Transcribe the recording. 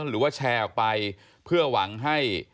ก็แชร์ออกไปเพื่อหวังให้